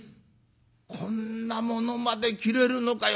こんなものまで切れるのかよ。